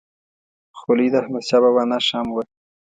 خولۍ د احمدشاه بابا نښه هم وه.